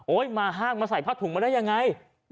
มาห้างมาใส่ผ้าถุงมาได้ยังไง